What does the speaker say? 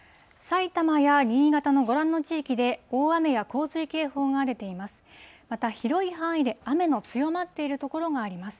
埼玉や新潟のご覧の地域で、大雨や洪水警報が出ています。